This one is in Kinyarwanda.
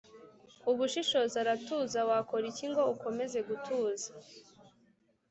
Ubushishozi aratuza wakora iki ngo ukomeze gutuza